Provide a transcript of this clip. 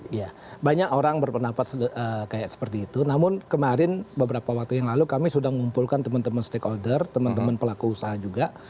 iya banyak orang berpendapat seperti itu namun kemarin beberapa waktu yang lalu kami sudah mengumpulkan teman teman stakeholder teman teman pelaku usaha juga